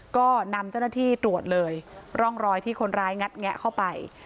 ก็นำเจ้าหน้าที่ตรวจเลยร่องรอยที่คนร้ายงัดแงะเข้าไป